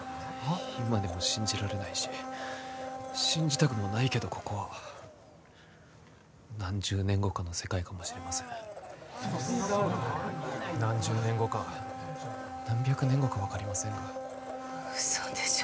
今でも信じられないし信じたくもないけどここは何十年後かの世界かもしれません何十年後か何百年後か分かりませんが嘘でしょ